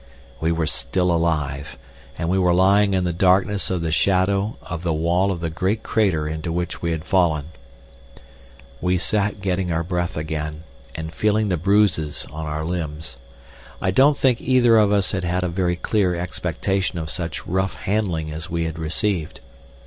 We were still alive, and we were lying in the darkness of the shadow of the wall of the great crater into which we had fallen. We sat getting our breath again, and feeling the bruises on our limbs. I don't think either of us had had a very clear expectation of such rough handling as we had received.